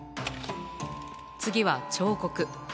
次は彫刻。